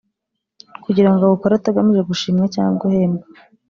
kugira ngo awukore atagamije gushimwa cyangwa guhembwa